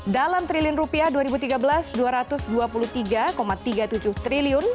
dalam triliun rupiah dua ribu tiga belas rp dua ratus dua puluh tiga tiga puluh tujuh triliun